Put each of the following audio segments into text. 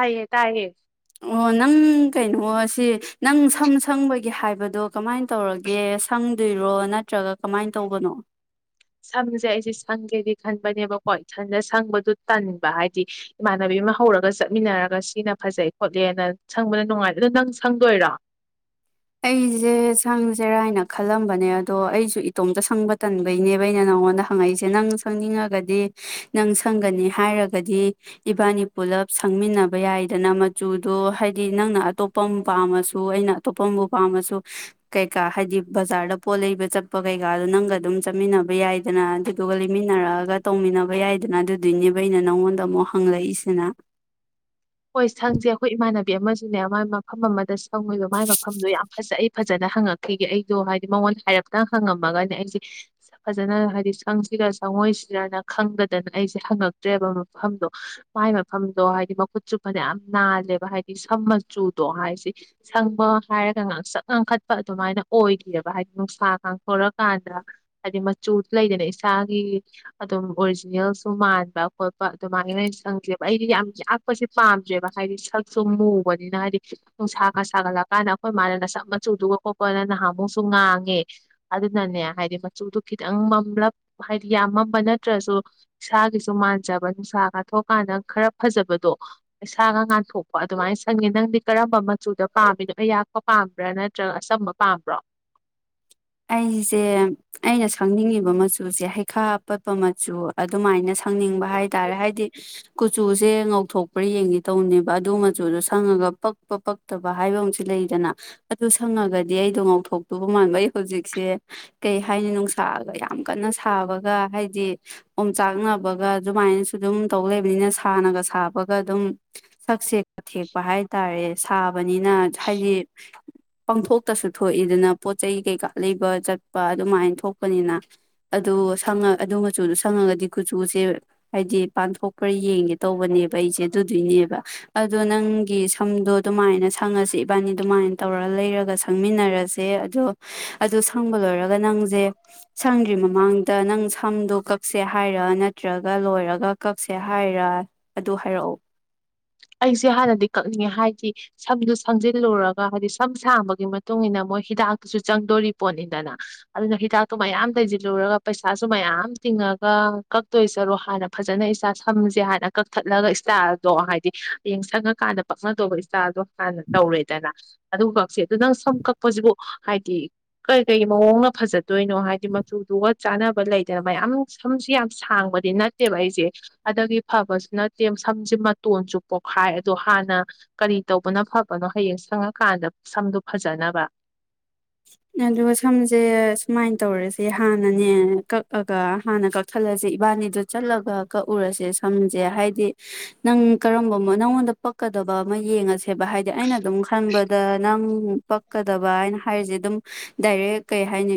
ꯌꯦ ꯇꯑꯌꯦ ꯑꯣ ꯅꯪ ꯀꯩꯅꯣ ꯁꯤ ꯅꯪ ꯁꯝ ꯁꯪꯕꯒꯤ ꯍꯥꯏꯕꯗꯣ ꯀꯃꯥꯏꯅ ꯇꯧꯔꯒꯦ ꯁ ꯑꯗꯨꯏꯔꯣ ꯅꯠꯇ꯭ꯔꯒ ꯀꯃꯥꯏꯅ ꯇꯧꯕꯅꯣ ꯁꯝꯖꯦ ꯑꯩꯁꯤ ꯁꯪꯒꯦꯗꯤ ꯈꯟꯕꯅꯦꯕꯀꯣ ꯏꯊꯟꯗ ꯁꯪꯕꯗꯨ ꯇꯟꯕ ꯍꯥꯏꯗꯤ ꯏꯃꯥꯟꯅꯕꯤ ꯑꯃ ꯍꯧꯔꯒ ꯆꯠꯃꯤꯟꯅꯔꯒ ꯁꯤꯅ ꯐꯖꯩ ꯈꯣꯠꯂꯦꯅ ꯁꯪꯕꯅ ꯅꯨꯡꯉꯥꯏ ꯑꯗꯣ ꯅꯪ ꯁꯪꯗꯣꯏꯔꯣ ꯑꯩꯁꯦ ꯁꯪꯁꯦꯔꯥꯏꯅ ꯈꯜꯂꯝꯕꯅꯦ ꯑꯗꯣ ꯑꯩꯁꯨ ꯏꯇꯣꯝꯇ ꯁꯪꯕ ꯇꯟꯕꯩꯅꯦꯕ ꯑꯩꯅ ꯅꯪꯉꯣꯟꯗ ꯍꯪꯉꯛꯏꯁꯦ ꯅꯪ ꯁꯪꯅꯤꯡꯉꯒꯗꯤ ꯅꯪ ꯁꯪꯒꯅꯤ ꯍꯥꯏꯔꯒꯗꯤ ꯏꯕꯥꯅꯤ ꯄꯨꯂꯞ ꯁꯪꯃꯤꯟꯅꯕ ꯌꯥꯏꯗꯅ ꯃꯆꯨꯗꯣ ꯍꯥꯏꯗꯤ ꯅꯪꯅ ꯑꯇꯣꯞꯄ ꯑꯃ ꯄꯥꯝꯃꯁꯨ ꯑꯩꯅ ꯄꫭꯝꯕꯨ ꯄꯥꯝꯃꯁꯨ ꯀꯩꯀꯥ ꯍꯥꯏꯗꯤ ꯕꯖꯥꫪꯗ ꯄꯣꯠ ꯂꯩꯕ ꯆꯠꯄ ꯀꯩꯀꯥꯗꯣ ꯅꯪꯒ ꯑꯗꯨꯝ ꯆꯠꯃꯤꯟꯅꯕ ꯌꯥꯏꯗꯅ ꯑꯗꯨꯗꯨꯒ ꯂꯩꯃꯤꯟꯅꯔꯛꯑꯒ ꯇꯧꯃꯤꯟꯅꯕ ꯌꯥꯏꯗꯅ ꯑꯗꯨꯗꯨꯏꯅꯦꯕ ꯑꯩꯅ ꯅꯪꯉꯣꯟꯗ ꯑꯃꯨꯛ ꯍꯪꯂꯛꯏꯁꯤꯅ ꯕꯤ ꯑꯃꯁꯤꯅꯦ ꯃꯥꯏ ꯃꯐꯝ ꯑꯃꯗ ꯆꯪꯉꯣꯏꯕ ꯃꯥꯏ ꯃꯐꯝꯗꯣ ꯌꯥꯝ ꯐꯖꯩ ꯑꯩ ꯐꯖꯅ ꯍꯪꯉꯛꯈꯤꯒꯦ ꯑꯩꯗꯣ ꯍꯥꯏꯗꯤ ꯃꯉꯣꯟꯗ ꯍꯥꯏꯔꯞꯇꯪ ꯍꯪꯉꯝꯃꯒꯅꯦ ꯑꯩꯁꯦ ꯐꯅ ꯍꯥꯏꯗꯤ ꯁꯪꯁꯤꯔ ꯆꯪꯉꯣꯏꯁꯤꯔꯅ ꯈꯪꯗꯗꯅ ꯑꯩꯁꯦ ꯍꯪꯉꯛꯇ꯭ꯔꯦꯕ ꯃꯐꯝꯗꯣ ꯃꯥꯏ ꯃꯐꯝꯗꯣ ꯍꯥꯏꯗꯤ ꯃꯈꯨꯠꯁꯨ ꯅꯦ ꯌꯥꯝ ꯅꯥꯜꯂꯦꯕ ꯍꯥꯏꯗꯤ ꯁꯝ ꯃꯆꯨꯗꯣ ꯍꯥꯏꯁꯦ ꯁꯪꯕ ꯍꯥꯏꯔꯒ ꯉꯥꯡꯁꯠ ꯉꯥꯡꯈꯠꯄ ꯑꯗꯨꯃꯥꯏꯅ ꯑꯣꯏꯗꯦꯕ ꯍꯥꯏꯗꯤ ꯅꯨꯡꯁꯥ ꯉꯥꯡꯊꯣꯔꯀꯥꯟꯗ ꯍꯥꯏꯗꯤ ꯃꯆꯨꯗꯨ ꯂꯩꯗꯅ ꯏꯁꯥꯒꯤ ꯑꯗꯨꯝ ꯑꯣꯔꯤꯖꯤꯅꯦꯜꯁꯨ ꯃꯥꯟꯕ ꯈꯣꯠꯄ ꯑꯗꯨꯃꯥꯏꯅꯣꯏ ꯁꯪꯁꯦꯕ ꯑꯩꯗꯤ ꯌꯥꯝ ꯌꯥꯛꯄꯁꯦ ꯄꯥꯝꯗ꯭ꯔꯦꯕ ꯍꯥꯏꯗꯤ ꯁꯛꯁꯨ ꯃꯨꯕꯅꯤꯅ ꯍꯥꯏꯗꯤ ꯅꯨꯡꯁꯥꯒ ꯁꯥꯒꯠꯂꯛꯀꯥꯟꯗ ꯑꯩꯈꯣꯏ ꯃꯥꯅ ꯅꯁꯝ ꯃꯆꯨꯗꯨꯒ ꯈꯣꯠꯄꯅ ꯅꯍꯥꯃꯨꯛꯁꯨ ꯉꯥꯡꯉꯦ ꯑꯗꯨꯅꯅꯦ ꯍꯥꯏꯗꯤ ꯃꯆꯨꯗꯨ ꯈꯤꯇꯪ ꯃꯝꯂꯞ ꯍꯥꯏꯗꯤ ꯌꯥꯝ ꯃꯝꯕ ꯅꯠꯇ꯭ꯔꯁꯨ ꯏꯁꯥꯒꯤꯁꯨ ꯃꯥꯟꯖꯕ ꯅꯨꯡꯁꯥ ꯀꯥꯊꯣꯛꯑꯀꯥꯟꯗ ꯈꯔ ꯐꯖꯕꯗꯣ ꯏꯁꯥꯒ ꯉꯥꯟꯊꯣꯛꯄ ꯑꯗꯨꯃꯥꯏꯅ ꯁꯪꯒꯦ ꯅꯪꯗꯤ ꯀꯔꯝꯕ ꯃꯆꯨꯗ ꯄꯥꯝꯃꯤꯅꯣ ꯑꯩꯌꯥꯛꯄ ꯄꯥꯝꯕ꯭ꯔꯥ ꯅꯠꯇ꯭ꯔꯒ ꯑꯆꯝꯕ ꯄꯥꯝꯕ꯭ꯔꯣ ꯑꯩꯁꯦ ꯑꯩꯅ ꯁꯪꯅꯤꯡꯉꯤꯕ ꯃꯆꯨꯁꯦ ꯍꯩꯈꯥ ꯑꯄꯠꯄ ꯃꯆꯨ ꯑꯗꯨꯃꯥꯏꯅ ꯁꯪꯅꯤꯡꯕ ꯍꯥꯏ ꯇꯥꯔꯦ ꯍꯥꯏꯗꯤ ꯀꯨꯆꯨꯁꯦ ꯉꯧꯊꯣꯛꯄ꯭ꯔꯥ ꯌꯦꯡꯒꯦ ꯇꯧꯅꯦꯕ ꯑꯗꯨ ꯃꯆꯨꯗꯣ ꯁꯪꯉꯒ ꯄꯛꯄ ꯄꯛꯇꯕ ꯍꯥꯏꯕ ꯑꯃꯁꯨ ꯂꯩꯗꯅ ꯑꯗꯨ ꯁꯪꯉꯒꯗꯤ ꯑꯩꯗꯣ ꯉꯧꯊꯣꯛꯇꯕ ꯃꯥꯟꯕ ꯍꯨꯖꯤꯛꯁꯦ ꯀꯩ ꯍꯥꯏꯅꯤ ꯅꯨꯡꯁꯥꯑꯒ ꯌꯥꯝ ꯀꯟꯅ ꯁꯥꯕꯒ ꯍꯥꯏꯗꯤ ꯑꯣꯝꯆꯥꯛꯅꯕꯒ ꯑꯗꯨꯃꯥꯏꯅꯁꯨ ꯑꯗꯨꯝ ꯇꯧ ꯂꯩꯕꯅꯤꯅ ꯁꯥꯅꯒ ꯁꯥꯕꯒ ꯑꯗꯨꯝ ꯁꯛꯁꯦ ꯀꯥꯊꯦꯛꯄ ꯍꯥꯏꯇꯥꯔꯦ ꯁꯥꯕꯅꯤꯅ ꯍꯥꯏꯗꯤ ꯄꯪꯊꯣꯛꯇꯁꯨ ꯊꯣꯛꯏꯗꯅ ꯄꯣꯠ ꯆꯩ ꯀꯩꯀꯥ ꯂꯩꯕ ꯆꯠꯄ ꯑꯗꯨꯃꯥꯏꯅ ꯊꯣꯛꯄꯅꯤꯅ ꯑꯗꯨ ꯁꯪꯉ ꯑꯗꯨ ꯃꯆꯨꯗꯣ ꯁꯪꯉꯒꯗꯤ ꯀꯨꯆꯨꯁꯦ ꯍꯥꯏꯗꯤ ꯄꯥꯟꯊꯣꯛꯄꯔ ꯌꯦꯡꯒꯦ ꯇꯧꯕꯅꯦꯕ ꯑꯩꯁꯦ ꯑꯗꯨꯗꯣꯏꯅꯦꯕ ꯑꯗꯣ ꯅꯪꯒꯤ ꯁꯝꯗꯣ ꯑꯗꯨꯃꯥꯏꯅ ꯁꯪꯉꯁꯦ ꯏꯕꯥꯅꯤ ꯑꯗꯨꯃꯥꯏꯅ ꯇꯧꯔ ꯂꯩꯔꯒ ꯁꯪꯃꯤꯟꯅꯔꯁꯦ ꯑꯗꯣ ꯑꯗꯨ ꯁꯪꯕ ꯂꯣꯏꯔꯒ ꯅꯪꯁꯦ ꯁꯪꯗ꯭ꯔꯤ ꯃꯃꯥꯡꯗ ꯅꯪ ꯁꯝꯗꯣ ꯀꯛꯁꯦ ꯍꯥꯏꯔ ꯅꯠꯇ꯭ꯔꯒ ꯂꯣꯏꯔꯒ ꯀꯛꯁꯦ ꯍꯥꯏꯔ ꯑꯗꯨ ꯍꯥꯏꯔꯛꯎ ꯑꯩꯁꯦ ꯍꯥꯟꯅꯗꯤ ꯀꯛꯅꯤꯡꯉꯦ ꯍꯥꯏ ꯗꯤ ꯁꯝꯗꯨ ꯁꯪꯖꯤꯜꯂꯨꯔꯒ ꯍꯥꯏꯗꯤ ꯁꯝ ꯁꯥꯡꯕꯒꯤ ꯃꯇꯨꯡ ꯏꯟꯅ ꯃꯣꯏ ꯍꯤꯗꯥꯛꯇꯨꯁꯨ ꯆꯪꯗꯣꯔꯤ ꯄꯣꯠꯅꯤꯗꯅ ꯑꯗꯨꯅ ꯍꯤꯗꯥꯛꯇꯨ ꯃꯌꯥꯝ ꯇꯩꯁꯤꯜꯂꯨꯔꯒ ꯄꯩꯁꯥꯁꯨ ꯃꯌꯥꯝ ꯇꯤꯡꯉꯒ ꯀꯛꯇꯣꯏ ꯆꯔꯣ ꯍꯥꯟꯅ ꯐꯖꯅ ꯏꯁ ꯁꯝꯁꯦ ꯍꯥꯟꯅ ꯀꯛꯊꯠꯂꯒ ꯏꯁꯇꯥꯏꯜꯗꯣ ꯍꯥꯏꯗꯤ ꯗꯤ ꯍꯌꯦꯡ ꯁꯪꯉꯀꯥꯟꯗ ꯄꯛꯅꯗꯧꯕ ꯏꯁꯇꯥꯏꯜꯗꯣ ꯍꯥꯟꯅ ꯇꯧꯔꯦꯗꯅ ꯑꯗꯨꯒ ꯀꯛꯁꯦ ꯑꯗꯨ ꯅꯪ ꯁꯝ ꯀꯛꯄꯁꯤꯕꯨ ꯍꯥꯏꯗꯤ ꯀꯩ ꯀꯩ ꯃꯑꯣꯡꯅ ꯐꯖꯗꯣꯏꯅꯣ ꯍꯥꯏꯗꯤ ꯃꯆꯨꯗꯨꯒ ꯆꯥꯟꯅꯕ ꯂꯩꯗꯅ ꯃꯌꯥꯝ ꯁꯝꯁꯤ ꯌꯥꯝ ꯁꯥꯡꯕꯗꯤ ꯅꯠꯇꯦꯕ ꯑꯩꯁꯦ ꯑꯗꯒꯤ ꯐꯕꯁꯨ ꯅꯠꯇꯦ ꯁꯝꯁꯦ ꯇꯣꯟꯁꯨ ꯄꯣꯛꯈꯥꯏ ꯑꯗꯣ ꯍꯥꯟꯅ ꯀꯔꯤ ꯇꯧꯕꯅ ꯐꯕꯅꯣ ꯍꯌꯦꯡ ꯁꯪꯉꯀꯥꯟꯗ ꯁꯝꯗꯨ ꯐꯖꯅꯕ ꯑꯗꯨꯒ ꯁꯝꯁꯦ ꯁꯨꯃꯥꯏꯅ ꯇꯧꯔꯁꯦ ꯍꯥꯟꯅꯅꯦ ꯀꯛꯑꯒ ꯍꯥꯟꯅ ꯀꯛꯊꯠꯂꯁꯦ ꯏꯕꯥꯅꯤꯗꯨ ꯆꯠꯂꯒ ꯀꯛꯎꯔꯁꯦ ꯁꯝꯁꯦ ꯍꯥꯏꯗꯤ ꯅꯪ ꯀꯔꯝꯕ ꯅꯪꯉꯣꯟꯗ ꯄꯛꯀꯗꯕ ꯑꯃ ꯌꯦꯡꯉꯁꯦꯕ ꯍꯥꯏꯗꯤ ꯑꯩꯅ ꯑꯗꯨꯝ ꯈꯟꯕꯗ ꯅꯪ ꯎꯝ ꯄꯛꯀꯗꯕ ꯍꯥꯏꯅ ꯍꯥꯏꯔꯤꯁꯦ ꯑꯗꯨꯝ ꯗꯥꯏꯔꯦꯛ ꯀꯩ ꯍꯥꯏꯅꯤ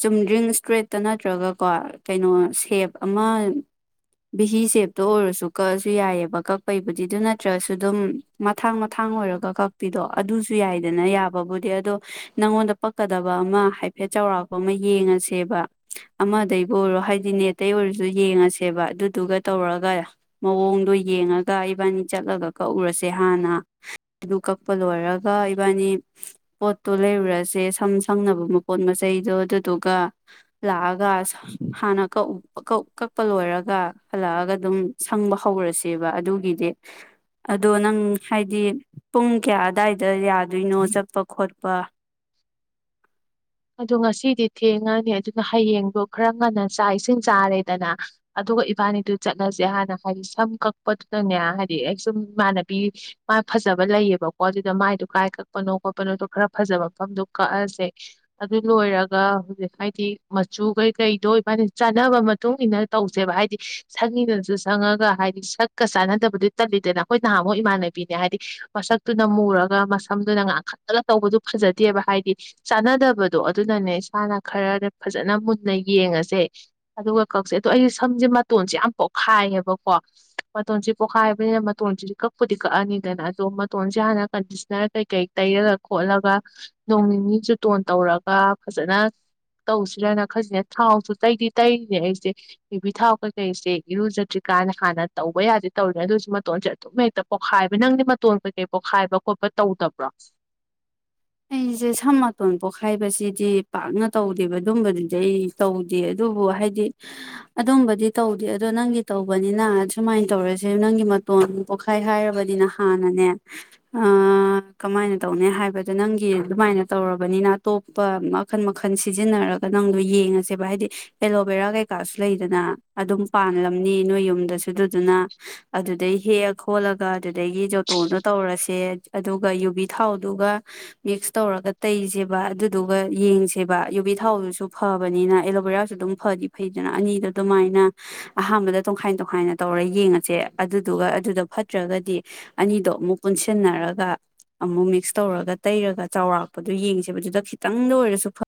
ꯆꯨꯝꯗ꯭ꯔꯤꯡ ꯏꯁꯇ꯭ꯔꯦꯠꯇ ꯅꯠꯇ꯭ꯔꯒꯀꯣ ꯀꯩꯅꯣ ꯁꯦꯞ ꯑꯃ ꯚꯤꯍꯤ ꯁꯦꯞꯇ ꯑꯣꯏꯔꯁꯨ ꯀꯛꯑꯁꯨ ꯌꯥꯏꯑꯕ ꯀꯛꯄꯩꯕꯨꯗꯤ ꯑꯗꯨ ꯅꯠꯇ꯭ꯔꯒꯁꯨ ꯑꯗꯨꯝ ꯃꯊꯥꯡ ꯃꯊꯥꯡ ꯑꯣꯏꯔꯒ ꯀꯛꯄꯤꯗꯣ ꯑꯗꯨꯁꯨ ꯌꯥꯏꯗꯅ ꯌꯥꯕꯕꯨꯗꯤ ꯑꯗꯣ ꯅꯪꯉꯣꯟꯗ ꯄꯛꯀꯗꯕ ꯑꯃ ꯍꯥꯏꯐꯦꯠ ꯆꯥꯎꯔꯥꯛꯄ ꯑꯃ ꯌꯦꯡꯉꯁꯦꯕ ꯑꯃꯗꯩꯕꯨ ꯑꯣꯏꯔꯣ ꯍꯥꯏꯗꯤ ꯅꯦꯠꯇꯩꯩ ꯑꯣꯏꯔꯁꯨ ꯌꯦꯡꯉꯁꯦꯕ ꯑꯗꯨꯗꯨꯒ ꯇꯧꯔꯒ ꯃꯑꯣꯡꯗꯣ ꯌꯦꯡꯉꯒ ꯏꯕꯥꯅꯤ ꯆꯠꯂꯒ ꯀꯛꯎꯨꯔꯁꯦ ꯍꯥꯟꯅ ꯑꯗꯨ ꯀꯛꯄ ꯂꯣꯏꯔꯒ ꯏꯕꯥꯅꯤ ꯄꯣꯠꯇꯣ ꯂꯩꯔꯨꯔꯁꯦ ꯁꯝ ꯁꯪꯅꯕ ꯃꯄꯣꯠ ꯃꯆꯩꯗꯣ ꯑꯗꯨꯗꯨꯒ ꯂꯥꯛꯑꯒ ꯍꯥꯟꯅ ꯀꯛꯄ ꯂꯣꯏꯔꯒ ꯍꯜꯂꯛꯑꯒ ꯑꯗꯨꯝ ꯁꯪꯕ ꯍꯧꯔꯁꯦꯕ ꯑꯗꯨꯒꯤꯗꯤ ꯑꯗꯣ ꯅꯪ ꯍꯥꯏꯗꯤ ꯄꯨꯡ ꯀꯌꯥ ꯑꯋꯥꯏꯗ ꯌꯥꯗꯣꯏꯅꯣ ꯆꯠꯄ ꯈꯣꯠꯄꯊꯈꯈ ꯑꯗꫭ ꯉꯁꯤꯗꯤ ꯊꯦꯡꯉꯅꯤ ꯑꯗꯨꯅ ꯍꯌꯦꯡꯗꯣ ꯈꯔ ꯉꯟꯅ ꯆꯥꯛ ꯏꯁꯤꯡ ꯆꯥꯔꯦꯗꯅ ꯑꯗꯨꯒ ꯏꯕꯥꯅꯤꯗꯨ ꯆꯠꯂꯁꯦ ꯍꯥꯟꯅ ꯍꯥꯏꯗꯤ ꯁꯝ ꯀꯛꯄꯗꯨꯗꯅꯦ ꯍꯥꯏꯗꯤ ꯑꯩ ꯁꯨꯝ ꯏꯃꯥꯟꯅꯕꯤ ꯃꯥ ꯐꯖꯕ ꯂꯩꯌꯦꯕꯀꯣ ꯑꯗꯨꯗ ꯃꯥꯏꯗꯣ ꯀꯥꯏ ꯀꯛꯄꯅꯣ ꯈꯣꯠꯄꯅꯣꯗꯣ ꯈꯔ ꯐꯖꯕ ꯃꯐꯝꯗꯣ ꯀꯛꯑꯁꯦ ꯑꯗꯨ ꯂꯣꯏꯔꯒ ꯍꯧꯖꯤꯛ ꯍꯥꯏꯗꯤ ꯃꯆꯨ ꯀꯩꯀꯩꯗꯣ ꯏꯕꯥꯅꯤ ꯆꯥꯟꯅꯕ ꯃꯇꯨꯡ ꯏꯟꯅ ꯇꯧꯁꯦꯕ ꯍꯥꯏꯗꯤ ꯁꯪꯉꯤꯅꯦꯁꯨ ꯁꯪꯉꯒ ꯍꯥꯏꯗꯤ ꯁꯛꯀ ꯆꯥꯟꯅꯗꯕꯗꯤ ꯇꯜꯂꯤꯗꯅ ꯑꯩꯈꯣꯏ ꯅꯍꯥꯟꯃꯨꯛ ꯏꯃꯥꯟꯅꯕꯤꯅꯦ ꯍꯥꯏꯗꯤ ꯃꯁꯛꯇꯨꯅ ꯃꯨꯔꯒ ꯃꯁꯝꯗꯨꯅ ꯉꯥꯡꯈꯠꯂꯒ ꯇꯧꯕꯗꯨ ꯐꯖꯗꯦꯕ ꯍꯥꯏꯗꯤ ꯆꯥꯟꯅꯗꯕ ꯗꯣ ꯑꯗꯨꯅꯅꯦ ꯏꯁꯥꯅ ꯈꯔ ꯐꯖꯅ ꯃꯨꯟꯅ ꯌꯦꯡꯉꯁꯦ ꯑꯗꯨꯒ ꯀꯛꯁꯦ ꯑꯗꯣ ꯑꯩꯁ ꯁꯝꯁꯦ ꯃꯇꯣꯟꯁꯦ ꯌꯥꯝ ꯄꯣꯠꯈꯥꯏꯌꯦꯕꯀꯣ ꯃꯇꯣꯟꯁꯦ ꯄꯣꯈꯥꯏꯕꯅꯤꯅ ꯃꯇꯣꯟꯁꯤꯗꯤ ꯀꯛꯄꯨꯗꯤ ꯀꯛꯑꯅꯤꯗꯅ ꯑꯗꯣ ꯃꯇꯣꯟꯁꯦ ꯍꯥꯟꯅ ꯀꯟꯗꯤꯁꯅꫪ ꯀꯩꯀꯩ ꯇꯩꯔꯒ ꯈꯣꯠꯂꯒ ꯅꯣꯡ ꯅꯤꯅꯤ ꯖꯨꯇꯣꯟ ꯇꯧꯔꯒ ꯒ ꯐꯖꯅ ꯇꯧꯁꯤꯔꯅ ꯈꯜꯂꯤꯅꯦ ꯊꯥꯎꯁꯨ ꯇꯩꯗꯤ ꯇꯩꯔꯤꯅꯦ ꯑꯩꯁꯦ ꯌꯨꯕꯤ ꯊꯥꯎ ꯀꯩꯀꯩꯁꯦ ꯏꯔꯨꯖꯗ꯭ꯔꯤ ꯀꯥꯟ ꯍꯥꯟꯅ ꯇꯧꯕ ꯌꯥꯕꯗꯤ ꯇꯧꯔꯤꯅꯦ ꯑꯗꯨꯏꯁꯨ ꯃꯇꯣꯟꯁꯦ ꯑꯗꯨꯝ ꯍꯦꯛꯇ ꯄꯣꯛꯈꯥꯏꯕ ꯅꯪꯗꯤ ꯃꯇꯣꯟ ꯀꯩꯀꯩ ꯄꯣꯈꯥꯏꯕ ꯈꯣꯠꯄ ꯇꯧꯗꯕ꯭ꯔꯣ ꯑꯩꯁꯦ ꯁꯝ ꯃꯇꯣꯟ ꯄꯣꯈꯥꯏꯕꯁꯤꯗꯤ ꯄꯥꯛꯅ ꯇꯧꯗꯦꯕ ꯑꯗꯨꯝꯕꯗꯨꯗꯤ ꯑꯩ ꯇꯧꯗꯦ ꯑꯗꯨꯕꯨ ꯍꯥꯏꯗꯤ ꯑꯗꯨꯝꯕꯗꯤ ꯇꯧꯗꯦ ꯑꯗꯣ ꯅꯪꯒꯤ ꯇꯧꯕꯅꯤꯅ ꯁꯨꯃꯥꯏꯅ ꯇꯧꯔꯁꯦ ꯅꯪꯒꯤ ꯃꯇꯣꯟ ꯄꯣꯛꯈꯥꯏ ꯍꯥꯏꯔꯕꯅꯤꯅ ꯍꯥꯟꯅꯅꯦ ꯀꯃꯥꯏꯅ ꯇꯧꯅꯤ ꯍꯥꯏꯕ ꯑꯗꯨꯗ ꯅꯪꯒꯤ ꯑꯗꯨꯃꯥꯏꯅ ꯇꯧꯔꯕꯅꯤꯅ ꯑꯇꯣꯞꯄ ꯃꯈꯟ ꯃꯈꯟ ꯁꯤꯖꯤꯟꯅꯔꯒ ꯅꯪꯗꯣ ꯌꯦꯡꯉꯁꯦꯕ ꯍꯥꯏꯗꯤ ꯑꯦꯂꯣꯕꯦꯔꯥ ꯀꯩꯀꯥꯁꯨ ꯂꯩꯗꯅ ꯑꯗꯨꯝ ꯄꯥꯟꯔꯝꯅꯤ ꯅꯣꯏ ꯌꯨꯝꯗꯁꯨ ꯑꯗꯨꯗꯨꯅ ꯑꯗꯨꯗꯩ ꯍꯦꯛꯑ ꯈꯣꯠꯂꯒ ꯑꯗꯨꯗꯒꯤ ꯖꫭꯇꯣꯟꯗꯣ ꯇꯧꯔꯁꯦ ꯑꯗꯨꯒ ꯌꯨꯕꯤ ꯊꯥꯎꯗꯨꯒ ꯃꯤꯛꯁ ꯇꯧꯔꯒ ꯇꯩꯁꯦꯕ ꯑꯗꯨꯗꯨꯒ ꯌꯦꯡꯁꯦꯕ ꯌꯨꯕꯤ ꯊꯥꯎꯗꯨꯁꯨ ꯐꯕꯅꯤꯅ ꯑꯦꯂꯣꯕꯦꯔꯥꯁꯨ ꯑꯗꯨꯝ ꯐꯗꯤ ꯐꯩꯗꯅ ꯑꯅꯤꯗꯣ ꯑꯗꯨꯃꯥꯏꯅ ꯑꯍꯥꯟꯕꯗ ꯇꯣꯡꯈꯥꯏ ꯇꯣꯡꯈꯥꯏꯅ ꯇꯧꯔ ꯌꯦꯡꯉꯁꯦ ꯑꯗꯨꯗꯨꯒ ꯑꯗꯨꯗ ꯐꯠꯇ꯭ꯔꯒꯗꯤ ꯑꯅꯤꯗꯣ ꯑꯃꯨꯛ ꯄꯨꯟꯁꯤꯟꯅꯔꯒ ꯑꯃꯨꯛ ꯃꯤꯛꯁ ꯇꯧꯔꯒ ꯇꯩꯔꯒ ꯆꯥꯎꯔꯥꯛꯄꯗꯨ ꯌꯦꯡꯁꯦꯕ ꯑꯗꯨꯗ ꯈꯤꯇꯪꯗ ꯑꯣꯏꯔꯁꯨ ꯐ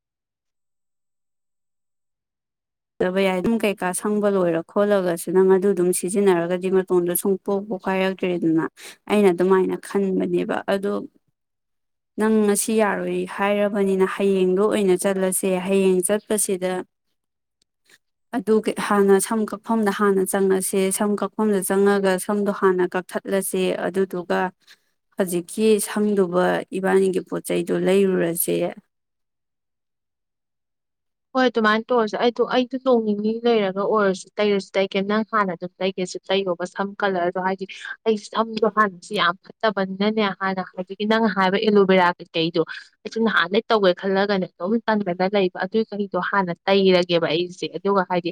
ꯇꯕ ꯌꯥꯏ ꯑꯗꯨꯝ ꯀꯩꯀꯥ ꯁꯪꯕ ꯂꯣꯏꯔ ꯈꯣꯠꯂꯒꯁꯨ ꯅꯪ ꯑꯗꯨ ꯑꯗꯨꯝ ꯁꯤꯖꯤꯟꯅꯔꯒꯗꯤ ꯃꯇꯣꯟꯗꯣ ꯁꯨꯡꯄꯣꯛ ꯄꯣꯛꯈꯥꯏꯔꯛꯇ꯭ꯔꯦꯗꯅ ꯑꯩꯅ ꯑꯗꯨꯃꯥꯏꯅ ꯈꯟꯕꯅꯦꯕ ꯑꯗꯣ ꯅꯪ ꯉꯁꯤ ꯌꯥꯔꯣꯏ ꯍꯥꯏꯔꯕꯅꯤꯅ ꯍꯌꯦꯡꯗꯣ ꯑꯣꯏꯅ ꯆꯠꯂꯁꯦ ꯍꯌꯦꯡ ꯆꯠꯄꯁꯤꯗ ꯑꯗꯨ ꯍꯥꯟꯅ ꯁꯝ ꯀꯛꯐꯝꯗ ꯍꯥꯟꯅ ꯆꯪꯉꯁꯦ ꯁꯝ ꯀꯛꯐꯝꯗ ꯆꯪꯉꯒ ꯁꯝꯗꯣ ꯍꯥꯟꯅ ꯀꯛꯊꯠꯂꯁꯦ ꯑꯗꯨꯗꯨꯒ ꯍꯧꯖꯤꯛꯀꯤ ꯁꯪꯗꯨꯕ ꯏꯕꯥꯅꯤꯒꯤ ꯄꯣꯠ ꯆꯩꯗꯣ ꯂꯩꯔꯨꯔꯁꯦ ꯍꯣꯏ ꯑꯗꯨꯃꯥꯏꯅ ꯇꯧꯔꯁꯨ ꯑꯩꯗꯣ ꯑꯩꯗꯣ ꯅꯣꯡ ꯅꯤꯅꯤ ꯂꯩꯔꯒ ꯑꯣꯏꯔꯁꯨ ꯇꯩꯔꯁꯨ ꯇꯩꯒꯦ ꯅꯪ ꯍꯥꯟꯅ ꯑꯗꯨꯝ ꯂꯩꯒꯦꯁꯨ ꯇꯩꯔꯣꯕ ꯁꯝ ꯀꯂꫪꯗꯣ ꯍꯥꯏꯗꯤ ꯑꯩ ꯁꯝꯗꯣ ꯍꯥꯟꯅꯁꯨ ꯌꯥꯝ ꯐꯠꯇꯕꯅꯤꯅꯅꯦ ꯍꯥꯟꯅ ꯍꯧꯖꯤꯛꯀꯤ ꯅꯪ ꯍꯥꯏꯕ ꯑꯦꯂꯣꯚꯦꯔꯥ ꯀꯩꯀꯩꯗꯣ ꯑꯩꯁꯨ ꯅꯍꯥꯟꯗꯩ ꯇꯧꯒꯦ ꯈꯜꯂꯒꯅꯦ ꯑꯗꯨꯝ ꯇꯟꯗꯅ ꯂꯩꯕ ꯑꯗꯨꯏ ꯀꯩꯗꯣ ꯍꯥꯟꯅ ꯇꯩꯔꯒꯦꯕ ꯑꯩꯁꯦ ꯑꯗꯨꯒ ꯍꯥꯏꯗꯤ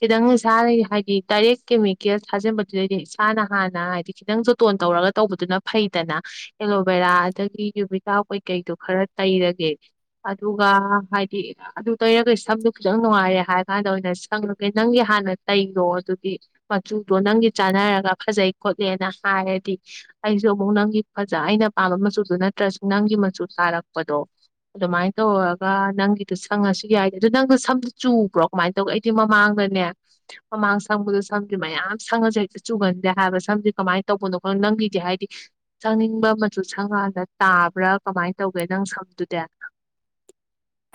ꯈꯤꯇꯪ ꯏꯁꯥꯅ ꯍꯥꯏꯗꯤ ꯗꯥꯏꯔꯦꯛ ꯀꯦꯃꯤꯀꯦꯜ ꯊꯥꯖꯤꯟꯕꯗꯨꯗꯩꯗꯤ ꯏꯁꯥꯅ ꯍꯥꯟꯅ ꯍꯥꯏꯗꯤ ꯈꯤꯇꯪ ꯖꯣꯇꯣꯟ ꯇꯧꯔꯒ ꯇꯧꯕꯗꯨꯅ ꯐꯩꯗꯅ ꯑꯦꯂꯣꯕꯦꯔꯥ ꯑꯗꯒꯤ ꯌꯨꯕꯤꯀꯥ ꯀꯩꯀꯩꯗꯣ ꯈꯔ ꯇꯩꯔꯒꯦ ꯑꯗꯨꯒ ꯍꯥꯏꯗꯤ ꯑꯗꯨ ꯇꯩꯔꯒ ꯁꯝꯗꯨ ꯈꯤꯇꯪ ꯅꯨꯡꯉꯥꯏꯔꯦ ꯍꯥꯏꯔ ꯀꯥꯟꯗ ꯑꯣꯏꯅ ꯁꯪꯂꯒꯦ ꯅꯪꯒꯤ ꯍꯥꯟꯅ ꯇꯩꯔꯣ ꯑꯗꯨꯗꯤ ꯃꯆꯨꯗꯣ ꯅꯪꯒꯤ ꯆꯥꯟꯅꯔꯒ ꯐꯖꯩ ꯈꯣꯠꯂꯦꯅ ꯍꯥꯏꯔꯗꯤ ꯑꯩꯁꯨ ꯑꯃꯨꯛ ꯅꯪꯒꯤ ꯐꯖ ꯑꯩꯅ ꯄꯥꯝꯕ ꯃꯆꯨꯗꯨꯣ ꯅꯠꯇ꯭ꯔꯁꯨ ꯅꯪꯒꯤ ꯃꯆꯨ ꯇꯥꯔꯛꯄꯗꯣ ꯑꯗꯨꯃꯥꯏꯅ ꯇꯧꯔꯒ ꯅꯪꯒꯤ ꯑꯗꯨ ꯁꯪꯉꯁꯨ ꯌꯥꯏ ꯑꯗꯨ ꯅꯪ ꯅꯁꯝꯗꯨ ꯆꯨꯕ꯭ꯔꯣ ꯀꯃꯥꯏꯅ ꯇꯧꯒꯦ ꯑꯩꯗꯤ ꯃꯃꯥꯡꯗꯅꯦ ꯃꯃꯥꯡ ꯁꯪꯕꯗ ꯁꯝꯁꯦ ꯃꯌꯥꯝ ꯁꯪꯉꯁꯨ ꯍꯦꯛꯇ ꯆꯨꯒꯟꯗꯦ ꯍꯥꯏꯕ ꯁꯝꯁꯦ ꯀꯃꯥꯏꯅ ꯇꯧꯕꯅꯣ ꯈꯪꯗꯦ ꯅꯪꯒꯤꯗꯤ ꯍꯥꯏꯗꯤ ꯁꯪꯅꯤꯡꯕ ꯃꯆꯨ ꯁꯪꯀꯥꯟꯗ ꯇꯥꯕ꯭ꯔꯥ ꯀꯃꯥꯏꯅ ꯇꯧꯒꯦ ꯅꯪ ꯁꯝꯗꯨꯗꯤ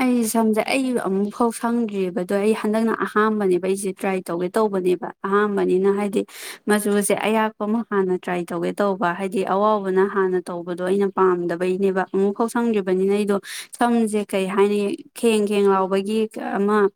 ꯑꯩꯁꯦ ꯁꯝꯁꯦ ꯑꯩ ꯑꯃꯨꯛ ꯐꯥꯎ ꯁꯪꯗ꯭ꯔꯤꯕꯗꯣ ꯑꯩ ꯍꯟꯗꯛꯅ ꯑꯍꯥꯝꯕꯅꯦꯕ ꯑꯩꯁꯦ ꯇ꯭ꯔꯥꯏ ꯇꯧꯒꯦ ꯇꯧꯕꯅꯦꯕ ꯑꯍꯥꯝꯕꯅꯤꯅ ꯍꯥꯏꯗꯤ ꯃꯆꯨꯁꯦ ꯑꯌꯥꯛꯄ ꯑꯃ ꯍꯥꯟꯅ ꯇ꯭ꯔꯥꯏ ꯇꯧꯒꯦ ꯇꯧꯕ ꯍꯥꯏꯗꯤ ꯑꯋꯥꯕꯅ ꯍꯥꯟꯅ ꯇꯧꯕꯗꯣ ꯑꯩꯅ ꯄꯥꯝꯗꯕꯩꯅꯦꯕ ꯑꯃꯨꯛ ꯐꯥꯎ ꯁꯪꯗ꯭ꯔꯤꯕꯅꯤꯅ ꯑꯩꯗꯣ ꯁꯝꯁꯦ ꯀꯩ ꯍꯥꯏꯅꯤ ꯈꯦꯡ ꯈꯦꯡ ꯂꯥꯎꯕꯒꯤ ꯑꯃ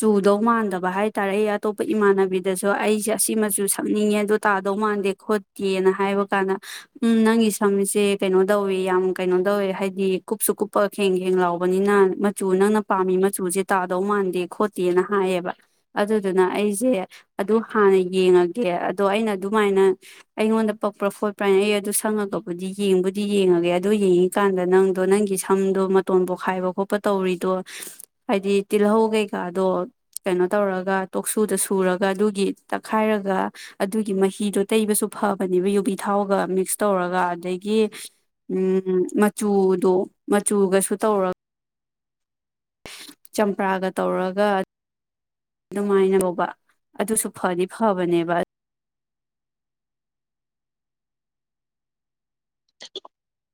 ꯆꯨꯗꯧ ꯃꯥꯟꯗꯕ ꯍꯥꯏ ꯇꯔꯦ ꯑꯩ ꯑꯇꯣꯞꯄ ꯏꯃꯥꯟꯅꯕꯤꯗꯁꯨ ꯑꯩꯁꯦ ꯑꯁꯤ ꯃꯆꯨ ꯁꯝꯅꯤꯡꯉꯦ ꯑꯗꯣ ꯇꯥꯗꯧ ꯃꯥꯟꯗꯦ ꯈꯣꯠꯇꯦꯅ ꯍꯥꯏꯕ ꯀꯥꯟꯗ ꯎꯝ ꯅꯪꯒꯤ ꯁꯝꯁꯦ ꯀꯩꯅꯣ ꯇꯧꯋꯦ ꯌꯥꯝ ꯀꯩꯅꯣ ꯇꯧꯋꯦ ꯍꯥꯏꯗꯤ ꯀꯨꯞꯁꯨ ꯀꯨꯞꯄ ꯈꯦꯡ ꯈꯦꯡ ꯂꯥꯎꯕ ꯅꯤꯅ ꯃꯆꯨ ꯅꯪꯅ ꯄꯥꯝꯃꯤ ꯃꯆꯨꯁꯦ ꯇꯥꯗꯧ ꯃꯥꯟꯗꯦ ꯈꯣꯠꯇꯦꯅ ꯍꯥꯏꯌꯦꯕ ꯑꯗꯨꯗꯨꯅ ꯑꯩꯁꯦ ꯑꯗꯨ ꯍꯥꯟꯅ ꯌꯦꯡꯉꯒꯦ ꯑꯗꯣ ꯑꯩꯅ ꯑꯗꯨꯃꯥꯏꯅ ꯑꯩꯉꯣꯟꯗ ꯄꯛꯄ꯭ꯔꯥ ꯈꯣꯠꯄ꯭ꯔꯥ ꯍꯥꯏꯅ ꯑꯩ ꯑꯗꯨ ꯁꯪꯉꯒꯕꯨꯗꯤ ꯌꯦꯡꯕꯨꯗꯤ ꯌꯦꯡꯉꯒꯦ ꯑꯗꯨ ꯌꯦꯡꯉꯤꯀꯥꯟꯗ ꯅꯪꯗꯣ ꯅꯪꯒꯤ ꯁꯝꯗꯣ ꯃꯇꯣꯟꯕ ꯄꫭꯛ ꯈꯥꯏꯕ ꯈꯣꯠꯄ ꯇꯧꯔꯤꯗꯣ ꯍꯥꯏꯗꯤ ꯇꯤꯜꯍꯧ ꯀꯩꯀꯥꯗꯣ ꯀꯩꯅꯣ ꯇꯧꯔꯒ ꯇꯣꯛꯁꯨꯗ ꯁꯨꯔꯒ ꯑꯗꯨꯒꯤ ꯇꯛꯈꯥꯏꯔꯒ ꯑꯗꯨꯒꯤ ꯃꯍꯤꯗꯣ ꯇꯩꯕꯁꯨ ꯐꯕꯅꯦꯕ ꯌꯨꯕꯤ ꯊꯥꯎꯒ ꯃꯤꯛꯁ ꯇꯧꯔꯒ ꯑꯗꯒꯤ ꯎꯝ ꯃꯆꯨꯗꯣ ꯃꯆꯨꯒꯁꯨ ꯇꯧꯔꯒ ꯆꯝꯄ꯭ꯔꯥꯒ ꯇꯧꯔꯒ ꯑꯗꯨꯃꯥꯏ [unintelligible] ꯑꯗꯨꯁꯨ ꯐꯗꯤ ꯐꯕꯅꯦꯕ [inaudible]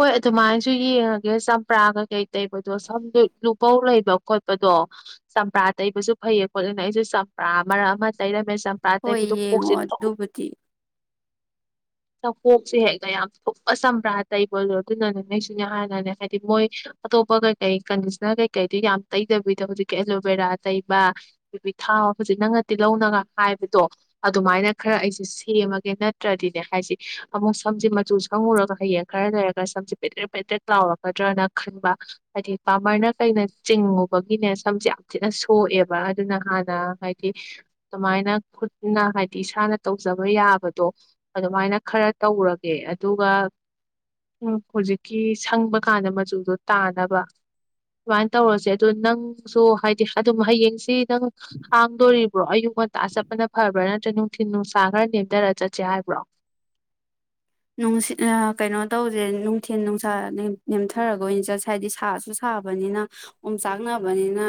ꯍꯣꯏ ꯑꯗꯨꯃꯥꯏꯅꯁꯨ ꯌꯦꯡꯉꯒꯦ ꯆꯝꯄ꯭ꯔꯥ ꯀꯩꯀꯩ ꯇꯩꯕꯗꯣ ꯁꯝ ꯂꯨꯄꯧ ꯂꯩꯕ ꯈꯣꯠꯄꯗꯣ ꯆꯝꯄ꯭ꯔꯥ ꯇꯩꯕꯁꯨ ꯐꯩꯌꯦ ꯈꯣꯠꯂꯦꯅ ꯑꯩꯁꯨ ꯆꯝꯄ꯭ꯔꯥ ꯃꯔꯛ ꯑꯃ ꯇꯩꯔꯝꯃꯤ ꯃ ꯁꯄ ꯍꯣꯏ ꯇꯗꯨ ꯈꯨꯁꯤ ꯌꯦꯡꯉꯣ ꯊ ꯑꯗꯨꯕꯨꯗꯤ ꯁꯣꯁ ꯍꯥꯏꯒ ꯌꯥꯝ ꯑꯁꯝ꯭ꯔꯥꯇ ꯇꯩꯕꯂꯣ ꯑꯗꯨꯅꯅꯦ ꯅꯪꯁꯤꯅꯦ ꯍꯥꯟꯅꯅꯦ ꯍꯥꯏꯗꯤ ꯃꯣꯏ ꯑꯇꯣꯞꯄ ꯀꯩꯀꯩ ꯀꯟꯗꯤꯁꯅꯔ ꯀꯩꯀꯩꯗꯨ ꯌꯥꯝ ꯇꯩꯗꯕꯤꯗꯣ ꯍꯧꯖꯤꯛꯀꯤ ꯑꯦꯂꯣꯕꯦꯔꯥ ꯇꯩꯕ ꯑꯗꯒꯤ ꯊꯥ ꯍꯧꯖꯤꯛ ꯅꯪꯅꯗꯤꯤ ꯂꯧꯅꯒ ꯍꯥꯏꯕꯗꯣ ꯑꯗꯨꯃꯥꯏꯅ ꯈꯔ ꯑꯩꯁꯦ ꯁꯦꯝꯃꯒꯦ ꯅꯠꯇ꯭ꯔꯗꯤꯅꯦ ꯍꯥꯏꯁꯦ ꯑꯃꯨꯛ ꯁꯝꯁꯦ ꯃꯆꯨ ꯁꯪꯉꯨꯔꯒ ꯍꯌꯦꯡ ꯈꯔ ꯂꯩꯔꯒ ꯁꯝꯁꯦ ꯄꯦꯗ꯭ꯔꯦꯦꯛ ꯄꯦꯗ꯭ꯔꯦꯦꯛ ꯂꯥꯎꯔꯛꯀꯗ꯭ꯔꯅ ꯈꯟꯕ ꯍꯥꯏꯗꯤ ꯄꯥꯃꯔꯅ ꯀꯩꯅ ꯆꯤꯡꯉꯨꯕꯒꯤꯅꯦ ꯁꯝꯁꯦ ꯌꯥꯝ ꯊꯤꯅ ꯁꯣꯛꯑꯦꯕ ꯑꯗꯨꯅ ꯍꯥꯟꯅ ꯍꯥꯏꯗꯤ ꯑꯗꯨꯃꯥꯏꯅ ꯈꯨꯠꯅ ꯍꯥꯏꯗꯤ ꯏꯁꯥꯅ ꯇꯧꯖꯕ ꯌꯥꯕꯗꯣ ꯑꯗꯨꯃꯥꯏꯅ ꯈꯔ ꯇꯧꯔꯒꯦ ꯑꯗꯨꯒ ꯎꯝ ꯍꯧꯖꯤꯛꯀꯤ ꯁꯪꯕ ꯀꯥꯟꯗ ꯃꯆꯨꯗꯣ ꯇꯥꯅꯕ ꯑꯗꯨꯃꯥꯏꯅ ꯇꯧꯔꯁꯦ ꯑꯗꯨꯗ ꯅꯪꯁꯨ ꯍꯥꯏꯗꯤ ꯑꯗꯨꯝ ꯍꯌꯦꯡꯁꯤ ꯅꯪ ꯍꯥꯡꯗꯣꯔꯤꯕ꯭ꯔꯣ ꯑꯌꯨꯛ ꯉꯟꯇꯥ ꯆꯠꯄꯅ ꯐꯕ꯭ꯔꯥ ꯅꯠꯇ꯭ꯔ ꯅꯨꯡꯊꯤꯤꯟ ꯅꯨꯡꯁꯥ ꯈꯔ ꯅꯦꯝꯊꯔ ꯆꯠꯁꯦ ꯍꯥꯏꯕ꯭ꯔꯣ ꯅꯨꯡꯁꯤ ꯀꯩꯅꯣ ꯇꯧꯁꯦ ꯅꯨꯡꯊꯤꯟ ꯅꯨꯡꯁꯥ ꯅꯦꯝꯊꯔꯒ ꯑꯣꯏꯅ ꯆꯠꯁꯦ ꯍꯥꯏꯕꯗꯤ ꯁꯥꯁꯨ ꯁꯥꯕꯅꯤꯅ ꯑꯣꯝ ꯆꯥꯛꯅꯕꯅꯤꯅ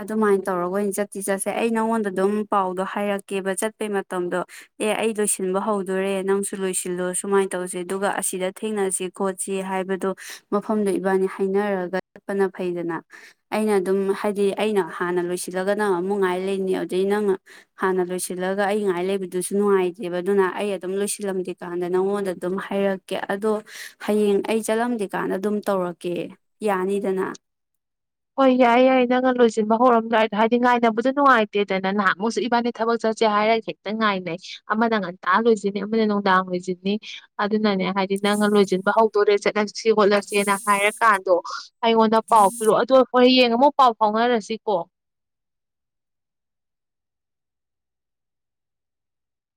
ꯑꯗꯨꯃꯥꯏꯅ ꯇꯧꯔꯒ ꯑꯣꯏꯅ ꯆꯠꯇꯤ ꯆꯠꯁꯦ ꯑꯩ ꯅꯉꯣꯟꯗ ꯑꯗꯨꯝ ꯄꯥꯎꯗꯣ ꯍꯥꯏꯔꯛꯀꯦꯕ ꯆꯠꯄꯩ ꯃꯇꯝꯗꯣ ꯑꯦ ꯑꯩ ꯂꯣꯏꯁꯤꯟꯕ ꯍꯧꯗꯣꯔꯦ ꯅꯪꯁꯨ ꯂꯣꯏꯁꯤꯜꯂꯨꯔ ꯁꯨꯃꯥꯏꯅ ꯇꯧꯁꯦ ꯑꯗꯨꯒ ꯑꯁꯤꯗ ꯊꯦꯡꯅꯁꯤ ꯈꯣꯠꯁꯤ ꯍꯥꯏꯕꯗꯣ ꯃꯐꯝꯗꯣ ꯏꯕꯥꯅꯤ ꯍꯥꯏꯅꯔꯒ ꯆꯠꯄꯅ ꯐꯩꯗꯅ ꯑꯩꯅ ꯑꯗꯨꯝ ꯍꯥꯏꯗꯤ ꯑꯩꯅ ꯍꯥꯟꯅ ꯂꯣꯏꯁꯤꯜꯂꯒ ꯅꯪ ꯑꯃꯨꯛ ꯉꯥꯏ ꯂꯩꯅꯤ ꯑꯗꯨꯗꯩ ꯅꯪ ꯍꯥꯟꯅ ꯂꯣꯏꯁꯤꯜꯂꯒ ꯑꯩ ꯉꯥꯏ ꯂꯩꯕꯗꯨꯁꯨ ꯅꯨꯡꯉꯥꯏꯇꯦꯕ ꯑꯗꯨꯅ ꯑꯩ ꯑꯗꯨꯝ ꯂꯣꯏꯁꯤꯜꯂꯝꯗꯦ ꯀꯥꯟꯗ ꯅꯪꯉꯣꯟꯗ ꯑꯗꯨꯝ ꯍꯥꯏꯔꯛꯀꯦ ꯑꯗꯣ ꯍꯌꯦꯡ ꯑꯩ ꯆꯠꯂꯝꯗꯦ ꯀꯥꯟꯗ ꯑꯗꯨꯝ ꯇꯧꯔꯛꯀꯦ ꯌꯥꯅꯤꯗꯅ ꯍꯣꯏ ꯌꯥꯏ ꯌꯥꯏ ꯅꯪꯒ ꯂꯣꯏꯁꯤꯟꯕ ꯍꯧꯔꯝꯗꯥꯏꯗꯣ ꯍꯥꯏꯗꯤ ꯉꯥꯏꯅꯕꯗ ꯅꯨꯡꯉꯥꯏꯇꯦꯗꯅ ꯅꯍꯥꯛꯃꯨꯛꯁꯨ ꯏꯕꯥꯅꯤ ꯊꯕꯛ ꯆꯠꯁꯦ ꯍꯥꯏꯔꯒ ꯍꯦꯛꯇ ꯉꯥꯏꯅꯩ ꯑꯃꯅ ꯉꯟꯇꯥ ꯂꯣꯏꯁꯤꯟꯅꯤ ꯑꯃꯅ ꯅꯨꯡꯗꯥꯡ ꯂꯣꯏꯁꯤꯟꯅꯤ ꯑꯗꯨꯅꯅꯦ ꯍꯥꯏꯗꯤ ꯅꯪꯅ ꯂꯣꯏꯁꯤꯟꯕ ꯍꯧꯗꯣꯔꯦ ꯆꯠꯂꯁꯤ ꯁꯤ ꯍꯣꯠꯅꯁꯦꯅ ꯍꯥꯏꯔꯀꯥꯟꯗꯣ ꯑꯩꯉꯣꯟꯗ ꯄꯥꯎ ꯄꯤꯔꯛꯑꯣ ꯍꯣꯏ ꯍꯣꯏ ꯍꯌꯦꯡ ꯑꯃꯨꯛ ꯄꯥꯎ ꯐꯥꯎꯅꯔꯁꯤꯀꯣ